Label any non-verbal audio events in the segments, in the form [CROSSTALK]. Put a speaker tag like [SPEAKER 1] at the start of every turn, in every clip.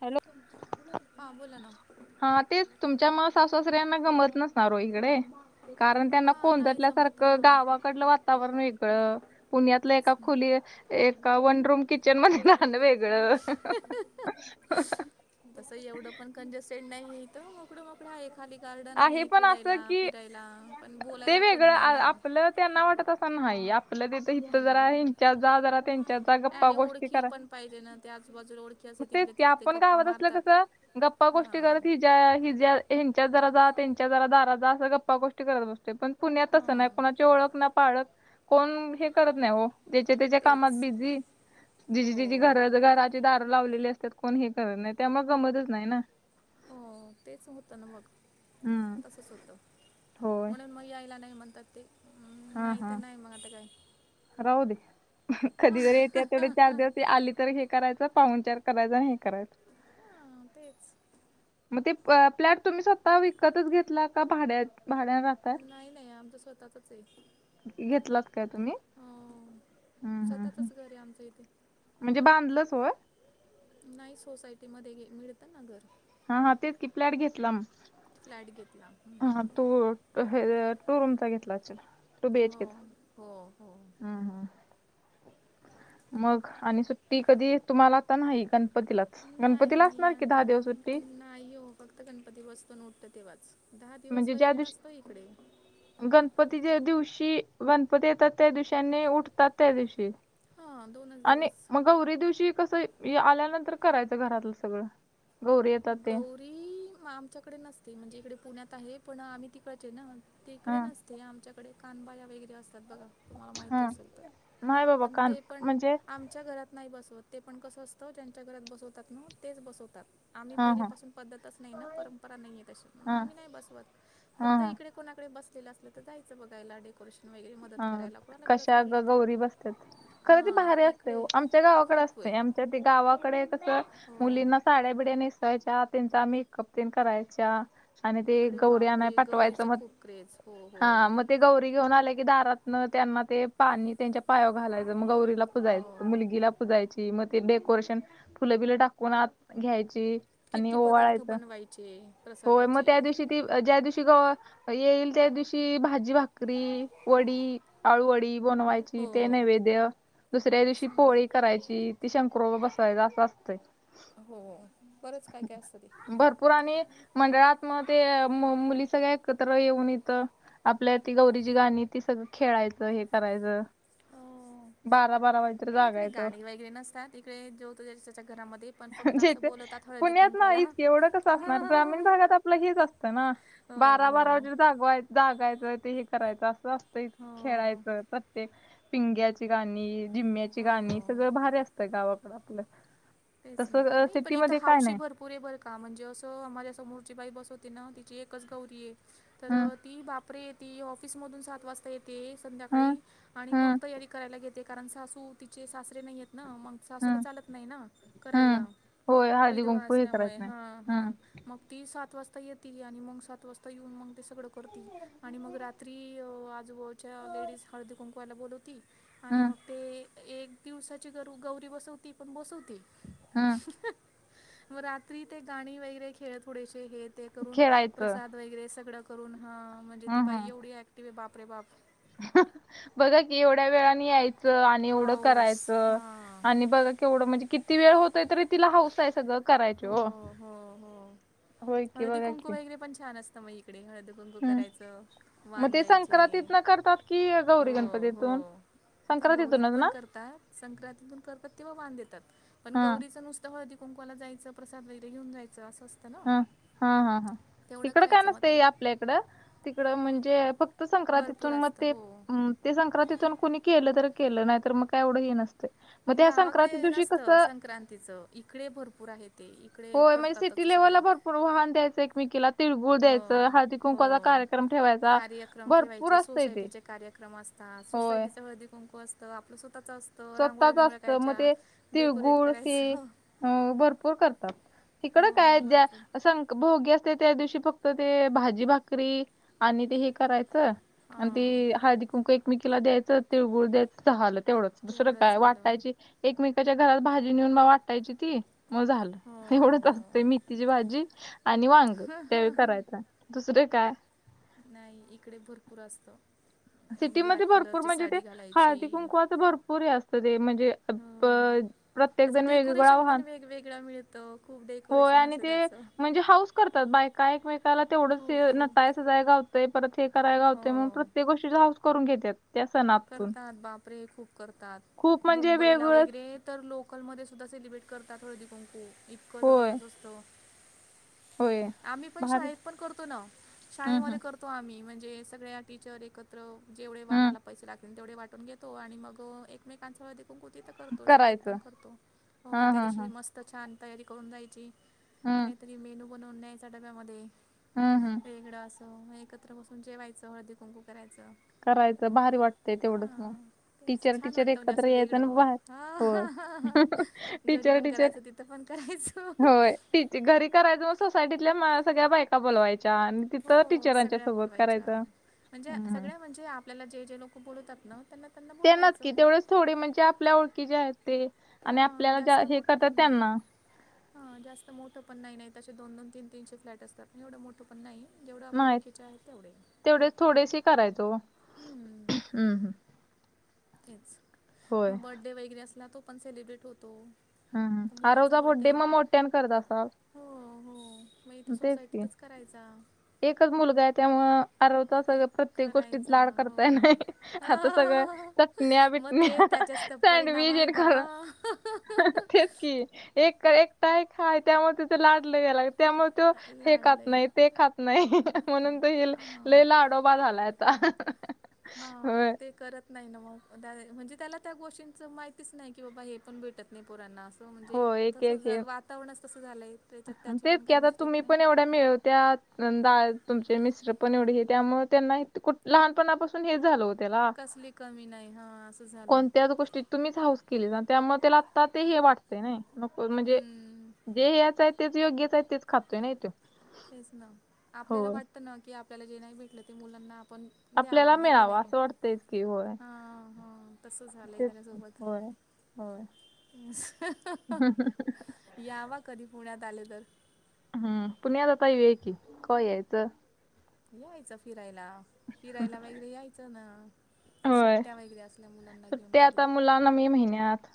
[SPEAKER 1] Hello
[SPEAKER 2] हां बोला ना
[SPEAKER 1] हा तेच तुमच्या म सासुसऱ्यांना गमत नसणारो इकडे कारण त्यांना
[SPEAKER 2] हां नाही जमत
[SPEAKER 1] कोंजटल्यासारखं
[SPEAKER 2] हां
[SPEAKER 1] गावाकडलं वातावरण वेगळं पुण्यातलं
[SPEAKER 2] तेच
[SPEAKER 1] एका
[SPEAKER 2] ना
[SPEAKER 1] खुली एका वन रूम किचन मध्ये नाण वेगळं
[SPEAKER 2] तसं एवढं पण कंजस्टेड नाही तो कुड मोकड आहे खाली गार्डन आहे
[SPEAKER 1] पण असं
[SPEAKER 2] खेळायला
[SPEAKER 1] की
[SPEAKER 2] फिरायला पण
[SPEAKER 1] ते
[SPEAKER 2] बोलायला कोणी
[SPEAKER 1] वेगळं
[SPEAKER 2] नाही ना
[SPEAKER 1] आपलं त्यांना वाटत अस नआहे आपलं तेत इथं जरा हच्या जा जरा त्यांच्या जा गप्पा
[SPEAKER 2] आणि
[SPEAKER 1] गोष्टी
[SPEAKER 2] ओळखी
[SPEAKER 1] करा
[SPEAKER 2] पण पाहिजे ना आजबाजू ओडे
[SPEAKER 1] तेच की आपण गावत असलं कसं गप्पा गोष्टी
[SPEAKER 2] हां
[SPEAKER 1] करत हिज्या हिज्या ह्यांच्या जरा जा त्यांच्या जरा दारा जा असं गप्पा गोष्टी करत बसते पण पुण्यातसं ना
[SPEAKER 2] हां
[SPEAKER 1] कोणाची ओळख ना पाळक कोण हे करत नाही हो त्याच्या त्याच्या कामात
[SPEAKER 2] तेच
[SPEAKER 1] बिझी
[SPEAKER 2] हो
[SPEAKER 1] जि ति घर घराची द लावलेले असतात कोण हे करत नाही, त्यामुळे जमतच नाही ना.
[SPEAKER 2] हो, तेच होतं ना मग.
[SPEAKER 1] हम्म
[SPEAKER 2] तसचं होत,
[SPEAKER 1] होय
[SPEAKER 2] म्हणून मग यायला नाही म्हणतात ते. म्
[SPEAKER 1] हा
[SPEAKER 2] नाही
[SPEAKER 1] हा
[SPEAKER 2] तर नाही मग आता काय
[SPEAKER 1] राहू दे
[SPEAKER 2] हां
[SPEAKER 1] हंकधीरी येते तेवढे चार दिवसी आली तर हे करायचं पाहूनचार करायचं हे करायचं
[SPEAKER 2] हां, तेच.
[SPEAKER 1] मग ते प्लॅट तुम्ही स्वतः विकतच घेतला का, भाड्या- भाड्यानं
[SPEAKER 2] नाही नाही, आमच स्वतःतच ये
[SPEAKER 1] घेतलात काय तुम्ही
[SPEAKER 2] हा.
[SPEAKER 1] हम्म हम्म हम्म
[SPEAKER 2] स्वतःतच घर आहे आमचं इथे.
[SPEAKER 1] म्हणजे बांधलंच होय.
[SPEAKER 2] नाही, सोसायटी मध्ये हे मिळत ना घर.
[SPEAKER 1] हा हा, तेच कि प्लॅट घेतला मग
[SPEAKER 2] फ्लॅट घेतला
[SPEAKER 1] हा
[SPEAKER 2] हम्म.
[SPEAKER 1] तो त हे टू रूमचा घेतला असचील.
[SPEAKER 2] हो हो हो.
[SPEAKER 1] हम, मग आणि सुट्टी कधी तुम्हाला आता नाही का? गणपतीलाच गणपती ला
[SPEAKER 2] नाही
[SPEAKER 1] असणार की, दहा
[SPEAKER 2] आता
[SPEAKER 1] दिवस सुट्टी.
[SPEAKER 2] गण नाही हो, फक्त गणपती बसतो न उठतो तेव्हाच दहा दिवस वगैरे
[SPEAKER 1] दिवशी
[SPEAKER 2] नसतो इकडे.
[SPEAKER 1] गणपती ज्या दिवशी गणपती येतात, त्या दिवशी आणि उठतात त्या दिवशी.
[SPEAKER 2] हां दोनच
[SPEAKER 1] आणि
[SPEAKER 2] दिवस
[SPEAKER 1] मग गौरी दिवशी कसं आल्यानंतर करायचं घरातलं सगळं. गौरी येतात ते
[SPEAKER 2] गौरी आमच्याकडे नसते म्हणजे इकडे पुण्यात आहे, पण आम्ही तिकडचे ना. इकडे
[SPEAKER 1] हा
[SPEAKER 2] नसते, आमच्याकडे कानबाया वगैरे असतात बघा. तुम्हाला माहिती
[SPEAKER 1] हा
[SPEAKER 2] असेल तर,
[SPEAKER 1] नाही बाबा
[SPEAKER 2] पण
[SPEAKER 1] कान
[SPEAKER 2] ते पण
[SPEAKER 1] म्हणजे
[SPEAKER 2] आम च्या घरात नाही बसवत ते, पण कसं असतं ज्यांच्या घरात बसवतात ना तेच बसवतात. आम्ही
[SPEAKER 1] हा
[SPEAKER 2] पहिल्या
[SPEAKER 1] हा
[SPEAKER 2] पासून पद्धतच नाही ना, परंपरा नाही आहेे तशी मग
[SPEAKER 1] हा
[SPEAKER 2] आम्ही नाही बसवत.
[SPEAKER 1] हा
[SPEAKER 2] फक्त
[SPEAKER 1] हा
[SPEAKER 2] इकडे कोणाकडे बसलेलं असलं तर, जायचं बघायला डे डेकोरेशन वगैरे मदत
[SPEAKER 1] हा
[SPEAKER 2] करायला, कोणाला गरज
[SPEAKER 1] कशा
[SPEAKER 2] पडली
[SPEAKER 1] ग
[SPEAKER 2] तर
[SPEAKER 1] गौरी बसतात. खरं तर भारी
[SPEAKER 2] हां
[SPEAKER 1] असतय
[SPEAKER 2] इकडे
[SPEAKER 1] वो आमच्या गावाकडे
[SPEAKER 2] खूप आहे
[SPEAKER 1] असतयं, आमच्या ते गावाकडे कस
[SPEAKER 2] हो
[SPEAKER 1] मुलींना साड्या बिड्या नेसावायच्या त्यांचा मेकअप तेन करायच्या. आणि ते
[SPEAKER 2] इकडे
[SPEAKER 1] गौरी आणायला
[SPEAKER 2] बापरे
[SPEAKER 1] पाठवायचं
[SPEAKER 2] गौरीचं
[SPEAKER 1] मग
[SPEAKER 2] खूप क्रेज हो हो
[SPEAKER 1] हा म ते गौरी घेऊन आले की, दारातन त्यांना ते पाणी त्यांच्या पायाव घालायचं मग गौरी ला
[SPEAKER 2] हो
[SPEAKER 1] पुजायचं मुलगीला पुजायची मग, ते डेकोरेशन फुलं बिलं टाकून आत घ्यायची. आणि
[SPEAKER 2] किती पदार्थ
[SPEAKER 1] ओवाळायचं
[SPEAKER 2] बनवायचे?
[SPEAKER 1] होय, मग
[SPEAKER 2] प्रसादाचे
[SPEAKER 1] त्या दिवशी ती ज्या दिवशी गवर येईल, त्या दिवशी भाजी, भाकरी, वडी आळूवडी बनवायची. ते
[SPEAKER 2] हो
[SPEAKER 1] नैवेद्य. दुसऱ्या दिवशी
[SPEAKER 2] सगळं
[SPEAKER 1] पोळी करायची, ती शंकरोबा बसवायच असं असतंय.
[SPEAKER 2] हो बरंच काय काय असतं ते
[SPEAKER 1] भरपूर आणि मंडळात मग ते मुली सगळ्या एकत्र येऊन इथं आपल्या ती गौरीची गाणी, ती सगळं खेळायचं हे करायचं.
[SPEAKER 2] हं
[SPEAKER 1] बारा बारा वाजेपर्यंत
[SPEAKER 2] येइकडे
[SPEAKER 1] जागायचं
[SPEAKER 2] गाणी वगैरे नसतात, इकडे जो तो ज्याच्यात्याच्या त्याच्या घरामध्ये पण फक्त
[SPEAKER 1] म्हणजे
[SPEAKER 2] असं
[SPEAKER 1] इथे
[SPEAKER 2] बोलावतात हळदी
[SPEAKER 1] पुण्यात ना
[SPEAKER 2] कुंकवाला.
[SPEAKER 1] इतके एवढं कसं असणार ग्रामीण भागात आपलं हेच असतं ना,
[SPEAKER 2] हो
[SPEAKER 1] बारा बारा
[SPEAKER 2] हो
[SPEAKER 1] वाजे जाग जागायचं ते हे करायचं. अस स [UNINTELLIGIBLE]
[SPEAKER 2] हो
[SPEAKER 1] खेळायचं परत ते पिंग्याची गाणी. झीम्म्याची गाणी
[SPEAKER 2] हो
[SPEAKER 1] सगळ भारी असतं गावाकड आपलं.
[SPEAKER 2] तेच ना.
[SPEAKER 1] तसं
[SPEAKER 2] नई पण इथं
[SPEAKER 1] सिटीमध्ये काय
[SPEAKER 2] हौशी
[SPEAKER 1] नाही
[SPEAKER 2] भर पुरे बर का. म्हणजे असं आ माझ्या समोरची बाई बसवते ना, तिची एकच गौरीय. तर
[SPEAKER 1] हम्म
[SPEAKER 2] ती बापरे, ती ऑफिसमधून सात वाज ता येते
[SPEAKER 1] हम्म
[SPEAKER 2] संध्याकाळी, आणि मग
[SPEAKER 1] हम्म
[SPEAKER 2] तयारी करायला घेते. कारण सासू चे सासरे नाही आहेत ना, मग सासूला
[SPEAKER 1] हम्म
[SPEAKER 2] चालत नाही ना.
[SPEAKER 1] हम्म
[SPEAKER 2] करायला
[SPEAKER 1] होय हळदी
[SPEAKER 2] विधवा
[SPEAKER 1] कुंकू हे करायचं
[SPEAKER 2] असल्यामुळे,
[SPEAKER 1] नाही
[SPEAKER 2] हं,
[SPEAKER 1] हम्म
[SPEAKER 2] हं मग ती सात वाजता येती आणि मग सात वाजता येऊन मग ते सगळं करती, आणि मग रात्री आजुबाजू च्या लेडीज हळदी कुंकुवायला बोलवती, आणि
[SPEAKER 1] हम्म
[SPEAKER 2] मग ते एक दिवसाची गर गौरी बसवती पण बसवती.
[SPEAKER 1] हा.
[SPEAKER 2] मग रात्री ते गाणी वगैरे खेळ थोडेसे हे ते करून
[SPEAKER 1] खेळायचं
[SPEAKER 2] प्रसाद वगैरे सगळं करून ह म्हणजे ती
[SPEAKER 1] हम्म
[SPEAKER 2] बाई
[SPEAKER 1] हम्म
[SPEAKER 2] एवढी ऍक्टिव आहे बापरे बाप.
[SPEAKER 1] बघा की, एवढ्या वेळानी याय आणि एवढं
[SPEAKER 2] हाऊस
[SPEAKER 1] करायचं,
[SPEAKER 2] हां
[SPEAKER 1] आणि बघ केवढं म्हणजे कि ती वेळ होतय तरी तिला हास आहे सगं
[SPEAKER 2] हो, हो, हो
[SPEAKER 1] होय की
[SPEAKER 2] हळदी
[SPEAKER 1] बघा
[SPEAKER 2] कुंकू
[SPEAKER 1] की
[SPEAKER 2] वगैरे पण छान असत. तर मग इकडे हळदी, कुंकू,
[SPEAKER 1] हम्म
[SPEAKER 2] करायचं
[SPEAKER 1] मग
[SPEAKER 2] वान
[SPEAKER 1] ते
[SPEAKER 2] द्यायचे
[SPEAKER 1] संक्रांतीतन करतात की, गौरी गणपती तून
[SPEAKER 2] तथे गौरीत पण करतात, संक्रांतीतून करतात तेव्हा वान देतात, पण
[SPEAKER 1] हा
[SPEAKER 2] गौरीचं नुसत हळदी- कुंकुला जायचं, प्रसाद वगैरेऊ जायं असं ना
[SPEAKER 1] हा, हा, हा, हा
[SPEAKER 2] तेवढं
[SPEAKER 1] इकडं काय
[SPEAKER 2] करायचं मग
[SPEAKER 1] नसत
[SPEAKER 2] ते
[SPEAKER 1] आपल्या इकडं, तिकड म्हणजे फक्त संक्रांतीतून
[SPEAKER 2] भरपूर
[SPEAKER 1] मग
[SPEAKER 2] असतं
[SPEAKER 1] ते
[SPEAKER 2] हो
[SPEAKER 1] ते संक्रांतीतून कुणी केलं तर केलं, नाही तर मग काय एवढं हे नसते.
[SPEAKER 2] गावाकडे नसत संक्रांतीचं, इकडे भरपूर आहे ते. इकडे
[SPEAKER 1] होय म्हणजे सिटी
[SPEAKER 2] करतातच
[SPEAKER 1] लेव्हला
[SPEAKER 2] सगळे
[SPEAKER 1] भरपूर, वान द्यायचं एकमेकीला तिळगुळ
[SPEAKER 2] हो
[SPEAKER 1] द्यायचं, हळदी- कुंकवाचा
[SPEAKER 2] हो
[SPEAKER 1] कार्यक्रम ठेवायचा, भरपूर असत इ तेे
[SPEAKER 2] ्रम असता, सोसायटीचा हळदी -कुंकू असतं, आपलं स्वतःच असत.
[SPEAKER 1] स्वतःच असत, मग ते
[SPEAKER 2] डेकोरेट
[SPEAKER 1] तिळगुळ
[SPEAKER 2] करायचं
[SPEAKER 1] हे अ भरपूर करतात. तिकडं
[SPEAKER 2] हो
[SPEAKER 1] काय, ज्या,
[SPEAKER 2] भरपूर
[SPEAKER 1] भोगी असते, त्या दिवशी फक्त ते भाजी भाकरी आणि ते हे करायचं आणि
[SPEAKER 2] हां
[SPEAKER 1] ती हळदी -कुंक एकमेकीला द्यायचं तिळगुळ द्यायचं झालं तेवढंच. दुसरं काय वाटायची, एकमेकाच्या घरात भाजी नेऊन बा वाटायची ती मग झालं,
[SPEAKER 2] हो
[SPEAKER 1] एवढच
[SPEAKER 2] हो
[SPEAKER 1] असत मेथीची भाजी आणि वांग त्यावे करायचा. दुसरं काय?
[SPEAKER 2] नाही इकडे भरपूर असत.
[SPEAKER 1] सिटीमध्ये भरपूर म्हणजे, ते
[SPEAKER 2] घालायची
[SPEAKER 1] हळदी कुंकुवाच भरपूर हे असत ते म्हणजे अ
[SPEAKER 2] हो
[SPEAKER 1] प्रत्येक
[SPEAKER 2] त्याचं
[SPEAKER 1] जण वेगवेगळं
[SPEAKER 2] डेकोरेशन पण
[SPEAKER 1] वान,
[SPEAKER 2] वेगवेगळं मिळतं खूप
[SPEAKER 1] होय
[SPEAKER 2] डेकोरेशन
[SPEAKER 1] आणि
[SPEAKER 2] असतं
[SPEAKER 1] ते
[SPEAKER 2] त्याचं
[SPEAKER 1] म्हणजे हाऊ ात बायका, एकमेकाला तेवढंच
[SPEAKER 2] खूप
[SPEAKER 1] नटा
[SPEAKER 2] खूप
[SPEAKER 1] सजाय गावतय परत हे करत गावतय मग
[SPEAKER 2] हो
[SPEAKER 1] प्रत्येक गो करून घेतात [UNINTELLIGIBLE]
[SPEAKER 2] करतात, बापरे खूप करतात,
[SPEAKER 1] खूप म्हणजे
[SPEAKER 2] मुंबईला
[SPEAKER 1] वेगवेगळं
[SPEAKER 2] वगैरे तर लोकलमध्ये सुद्धा सेलिब्रेट करतात हळदी- कुंकु इतकं
[SPEAKER 1] होय
[SPEAKER 2] जबरदस्त असत.
[SPEAKER 1] होय
[SPEAKER 2] आम्ही पण
[SPEAKER 1] भारी
[SPEAKER 2] शाळेत पण करतो ना,
[SPEAKER 1] हम्म हम्म
[SPEAKER 2] शाळेमध्ये करतो. ो आम्ही, म्हणजे सगळ्या टीचर एकत्र जेवढे
[SPEAKER 1] हम्म
[SPEAKER 2] वानाला पैसे लागतील तेवढे वाटून घेतो, आणि मग एकमेकांच्या हळदी -कुंकू तिथं करतो, शाळेत
[SPEAKER 1] करायचं
[SPEAKER 2] पण करतो, हो
[SPEAKER 1] हं
[SPEAKER 2] त्या
[SPEAKER 1] हं
[SPEAKER 2] दिवशी
[SPEAKER 1] हं
[SPEAKER 2] मस्त छान तयारी करून जायची
[SPEAKER 1] हम्म
[SPEAKER 2] का तरी मेनू बनवून न्यायचा डब्यामध्ये.
[SPEAKER 1] हम्, हम्
[SPEAKER 2] वेगळं असं, एकत्र बसून जेवायचं हळदी कुंकू करायचं.
[SPEAKER 1] करायचं, भारी वाटतंय तेवढंच मग.
[SPEAKER 2] हां, तेच
[SPEAKER 1] टीचर
[SPEAKER 2] छान
[SPEAKER 1] टीचर
[SPEAKER 2] वाटतं म्हणजे
[SPEAKER 1] एकत्र
[SPEAKER 2] असं
[SPEAKER 1] यायचं आणि
[SPEAKER 2] वेगळं,
[SPEAKER 1] बाहेर होय
[SPEAKER 2] घरी
[SPEAKER 1] टीचर
[SPEAKER 2] पण
[SPEAKER 1] टीचर
[SPEAKER 2] करायचं तिथं तर पण करायचं [UNINTELLIGIBLE]
[SPEAKER 1] होय, तिची घरी करायचं मग सोसायटीतल्या सगळ्या बायका बोलवायच्या आणि तिथं
[SPEAKER 2] हो
[SPEAKER 1] टीचरांच्या
[SPEAKER 2] सगळ्या
[SPEAKER 1] सोबत
[SPEAKER 2] बोलवायच्या
[SPEAKER 1] करायचं.
[SPEAKER 2] म्हणजे
[SPEAKER 1] हम्म हम्म.
[SPEAKER 2] सगळ्या म्हणजे आपल्याला जे जे लोकं बोलवतात ना त्यांना त्यांना
[SPEAKER 1] ते नक्की
[SPEAKER 2] बोलवायचं
[SPEAKER 1] तेवढेच थोडे म्हणजे आपल्या ओळखी जे आहेत ते आणि
[SPEAKER 2] हां
[SPEAKER 1] आपल्याला हे करतात त्यांना
[SPEAKER 2] हा जास्त मोठं पण नाही तसे दोन दोन तीन तीनशे फ्लॅट असतात. आणि एवढं मोठं पण नाही जेवढं आपल्या एवढ खच आहे तेवढे
[SPEAKER 1] तेवढे थोडेसे करायचो हम्म ह्.
[SPEAKER 2] तेच,
[SPEAKER 1] होय.
[SPEAKER 2] मग बर्थडे वगैरे असला तो पण सेलिब्रेट होतो.
[SPEAKER 1] हम्म, हम्म,
[SPEAKER 2] तर मुलाचा
[SPEAKER 1] आरवचा बड्डे
[SPEAKER 2] बर्थडे
[SPEAKER 1] मग मोठ्यानं करत असाल.
[SPEAKER 2] हो, हो, मग इथं
[SPEAKER 1] तेच की.
[SPEAKER 2] सोसायटीतच करायचा.
[SPEAKER 1] एकच मुलगा आहे, त्यामुळं आरवचा सगळं प्रत्येक गोष्टीत
[SPEAKER 2] करायचा
[SPEAKER 1] लाड
[SPEAKER 2] हो
[SPEAKER 1] करताय नाही, आता सगळं चटण्या, बिटण्या
[SPEAKER 2] त्याचेच तर परिणाम
[SPEAKER 1] सँडविच हे
[SPEAKER 2] आहे
[SPEAKER 1] करून
[SPEAKER 2] बाबा.
[SPEAKER 1] तेच की एक एकटा एक हाय त्यामुळं त्याचं लाड लैई व्हाय लागल्यात त्यामुळं हे खात
[SPEAKER 2] लाडलंय
[SPEAKER 1] नाही ते खात नाही म्हणून तो
[SPEAKER 2] हां
[SPEAKER 1] लैई लाडोबा झालाय. आता
[SPEAKER 2] हा मग
[SPEAKER 1] होय
[SPEAKER 2] ते करत. नाही ना मग द म्हणजे त्याला त्या गोष्टींचं माहितीच नाही, की बाबा हे पण भेटत नाही पोरांना असं. म्हणजे
[SPEAKER 1] हो एक एक हे
[SPEAKER 2] तसं वातावरणच तसं झालंय तेच्यात त्याची पण काही मिस्टेक नाही.
[SPEAKER 1] मिळवत्यात तुमचा तुमचे मिस्टर पण एवढे हे त्यामुळं त्यांना इतकं कुठं लहानपणापासून हे झालं ओ
[SPEAKER 2] कसली कमी नाही हा असं झालं.
[SPEAKER 1] त्याच गोष्टी तुम्हीच हाऊस केली ना त्यामुळं त्याला आत्ता ते हे वाटतंय नाही नको म्हणजे
[SPEAKER 2] हम्म,
[SPEAKER 1] जे याचय तेच योग्यच आहे तेच खातोय नाही तो
[SPEAKER 2] तेच ना आपल्याला
[SPEAKER 1] होय
[SPEAKER 2] वाटतं ना की आपल्याला जे नाही भेटलं ते मुलांना आपण द्यावं
[SPEAKER 1] आपल्याला
[SPEAKER 2] हे की
[SPEAKER 1] मिळावं
[SPEAKER 2] नाही
[SPEAKER 1] असं वाटतंयच की होय
[SPEAKER 2] हा ह तस झालंय
[SPEAKER 1] तेच की.
[SPEAKER 2] त्याच्यासोबत
[SPEAKER 1] होय होय.
[SPEAKER 2] या वा कधी पुण्यात आले तर.
[SPEAKER 1] हम्म पुण्यात आाता येऊया की कवा यायचं.
[SPEAKER 2] यायचं फिरायला फिरायला वगैरे यायचं ना. सुट्ट्या वगैरे असल्या मुलांना घेऊन
[SPEAKER 1] ते
[SPEAKER 2] कधी
[SPEAKER 1] आता मुलांना मे महिन्यात.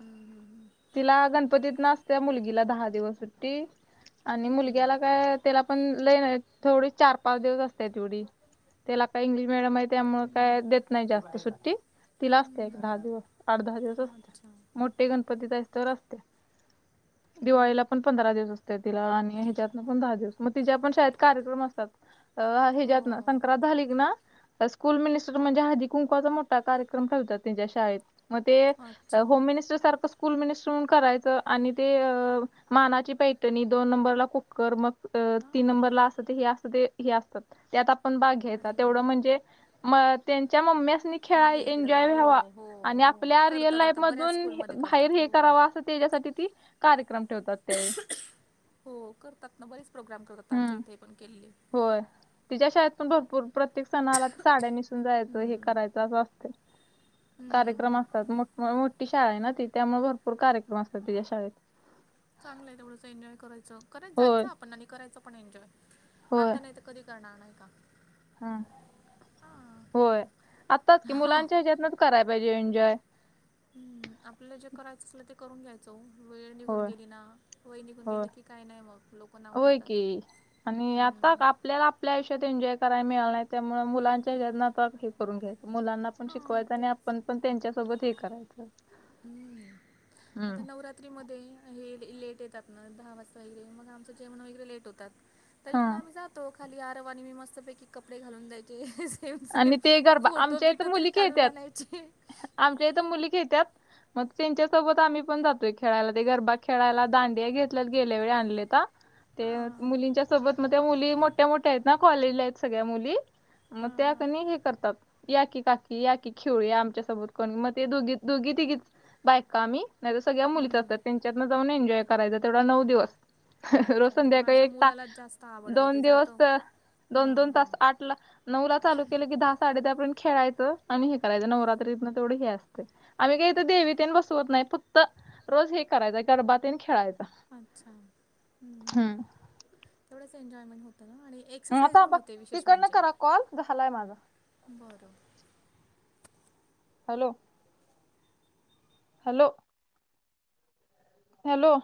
[SPEAKER 2] हम्म. हम्म,
[SPEAKER 1] तिला गणपतीतनं असत्या मुलगीला दहा दिवस सुट्टी. आणि
[SPEAKER 2] हम्म.
[SPEAKER 1] मुलग्याला काय त्याला पण लैई नाही तेवढीच चार पाच दिवस असत्या तेवढी त्याला काय इंग्लिश मिडियम आहे. त्यामुळं काय देत नाही जास्त सुट्टी. तिला असत्या
[SPEAKER 2] हम्म,
[SPEAKER 1] एक दहा
[SPEAKER 2] हम्म.
[SPEAKER 1] दिवस आठ दहा दिवस असत्या.
[SPEAKER 2] अच्छा
[SPEAKER 1] मोठे गणपती जाईस्तवर असत्या. दिवाळीला पण पंधरा दिवस असत्या. तिला आणि ह्याच्यातनं पण दहा दिवस मग तिच्या पण शाळेत कार्यक्रम असतात. अ
[SPEAKER 2] हो
[SPEAKER 1] ह्याच्यातनं संक्रांत झाली की ना स्कूल मिनिस्टर म्हणजे हळदी कुंकवाचा मोठा कार्यक्रम ठेवतात. तेंच्या शाळेत मग ते
[SPEAKER 2] अच्छा
[SPEAKER 1] होम मिनिस्टर सारखं स्कुल मिनिस्टर म्हणून करायचं. आणि ते अ मानाची पैटणी दोन नंबरला कुक्कर मग तीन
[SPEAKER 2] हां
[SPEAKER 1] नंबरला असं ते हे असं ते हे असतात त्यात आपण भाग घ्यायचा
[SPEAKER 2] अरे वा
[SPEAKER 1] तेवढं म्हणजे मग त्यांच्या मम्म्यांस्नी खेळाय
[SPEAKER 2] वेगळं
[SPEAKER 1] एन्जॉय
[SPEAKER 2] हो
[SPEAKER 1] व्हावा.
[SPEAKER 2] हो
[SPEAKER 1] आणि
[SPEAKER 2] हो
[SPEAKER 1] आपल्या रिअल
[SPEAKER 2] करतात
[SPEAKER 1] लाईफ
[SPEAKER 2] आता बऱ्याच
[SPEAKER 1] मधून
[SPEAKER 2] स्कूलमध्ये
[SPEAKER 1] बाहेर
[SPEAKER 2] करतात
[SPEAKER 1] हे
[SPEAKER 2] हो
[SPEAKER 1] करावा असं त्याच्यासाठी ती कार्यक्रम ठेवतात. त्यावेळी
[SPEAKER 2] हो करतात ना बरेच प्रोग्राम करतात. आमच्या
[SPEAKER 1] हम्म
[SPEAKER 2] इथे पण केलेले.
[SPEAKER 1] होय तिच्या शाळेत पण भरपूर प्रत्येक सणाला साड्या नेसून जायचं हे
[SPEAKER 2] हम्म, हम्म,
[SPEAKER 1] करायचं असं असतंय.
[SPEAKER 2] हम्म,
[SPEAKER 1] कार्यक्रम
[SPEAKER 2] हम्म.
[SPEAKER 1] असतात मोठी शाळा आहे ना ती त्यामुळे भरपूर कार्यक्रम असतात. तुझ्या शाळेत
[SPEAKER 2] चांगलंय तेवढं एन्जॉय करायचं करायच
[SPEAKER 1] होय
[SPEAKER 2] जायचं आपण आणि करायचं पण एन्जॉय आता नाही तर कधी करणार नाही आहे का.
[SPEAKER 1] हा
[SPEAKER 2] हां
[SPEAKER 1] होय आत्ताच कि
[SPEAKER 2] हो
[SPEAKER 1] मुलांच्या ह्याच्यातनच कराय पाहिजे एन्जॉय
[SPEAKER 2] हम्म आपल्याला जे करायचं अस ते करून घ्यायचो वेळ निघून
[SPEAKER 1] होय
[SPEAKER 2] गेली ना वय निघून
[SPEAKER 1] होय
[SPEAKER 2] गेलं की काय नाही मग लोकं नाव
[SPEAKER 1] होय
[SPEAKER 2] ठेवतात
[SPEAKER 1] की. आणि आता
[SPEAKER 2] हम्म.
[SPEAKER 1] आपल्याला आपल्या आयुष्यात एन्जॉय करायला मिळाल नाही त्यामु मुलांच्या हत आता ून घ्यायच मुलांना पण
[SPEAKER 2] हां
[SPEAKER 1] शिकवायच आणि
[SPEAKER 2] तेच
[SPEAKER 1] आपण पण त्यांच्यासोबत हे करायचं
[SPEAKER 2] हम्म आता
[SPEAKER 1] हम्म
[SPEAKER 2] नवरात [UNINTELLIGIBLE] हे लेट येतात. दहा वाजता वगैरे मग आमचं जेवण वगैरे लेट होतात. तरी
[SPEAKER 1] हा
[SPEAKER 2] पण आम्ही जातो खाली आरवानी मी मस्तपैकी कपडे घालून जायचे. सेम सेम
[SPEAKER 1] आणि ते गरबा
[SPEAKER 2] फोटो
[SPEAKER 1] आमच्या
[SPEAKER 2] बिटो
[SPEAKER 1] इथं
[SPEAKER 2] तरी
[SPEAKER 1] मुली
[SPEAKER 2] काढून
[SPEAKER 1] खेळत्यात.
[SPEAKER 2] आणायचे.
[SPEAKER 1] आमच्या इथं मुली घ येतात. मग त्यांच्यासोबत आम्ही पण जातोय खेळायला ते गरबा खेळायला दांडिया घेतल्या गेल्या वेळी आणले तर ते
[SPEAKER 2] हां
[SPEAKER 1] मुलींच्या सोबत मग त्या मुली मोठ्या मोठ्या आहेत ना कॉलेजला आहेत सगळ्या मुली. मग
[SPEAKER 2] हां
[SPEAKER 1] त्या
[SPEAKER 2] हां
[SPEAKER 1] कणी हे करतात या की काकी या की खेवळी आमच्या सोबत कोणी मग ते दोघी दोघी तिघीच बायक का आम्ही नाही तर सगळ्या मुलीच
[SPEAKER 2] हम्म
[SPEAKER 1] असतात त्यांच्यातनं जाऊन एन्ॉय करायं तेवढा नऊ दिवस
[SPEAKER 2] मग
[SPEAKER 1] रोसन
[SPEAKER 2] काय
[SPEAKER 1] द्या का
[SPEAKER 2] माझ्या
[SPEAKER 1] एकता
[SPEAKER 2] मुलालाच जास्त आवडतं
[SPEAKER 1] दोन
[SPEAKER 2] ते
[SPEAKER 1] दिवस
[SPEAKER 2] जातं
[SPEAKER 1] दोन दोन
[SPEAKER 2] हां हां
[SPEAKER 1] तास आठ ला नऊ ला चालू केले की दहा साडे दहापर्यंत खेळायचं आणि हे करायचं नवरात्रीतन तेवढं हे असते आम्ही काही तर देवीतन बसवत नाही फक्त रोज हे करायचं गरबातीन खेळायच
[SPEAKER 2] अच्छा ह््् तेवढंच एन्जॉयमेंट होत ना आणि एक
[SPEAKER 1] ह आता बघ तिकडन करा कॉल झालाय माझा
[SPEAKER 2] बरं
[SPEAKER 1] हॅलो हॅलो हॅलो